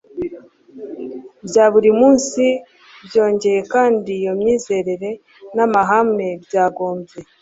bya buri munsi byongeye kandi iyo myizerere n amahame byagombye